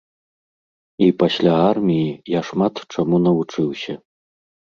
І пасля арміі я шмат чаму навучыўся.